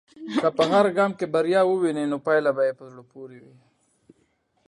که په هر ګام کې بریا ووینې، نو پايله به په زړه پورې وي.